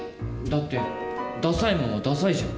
だってダサいもんはダサいじゃん。